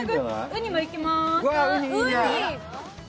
うにもいきます。